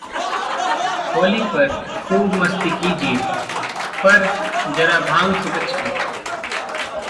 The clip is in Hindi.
होली पर खूब मस्ती कीजिए, पर जरा भांग से बचके...